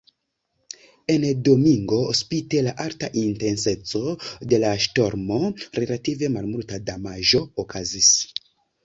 En Domingo, spite la alta intenseco de la ŝtormo, relative malmulta damaĝo okazis.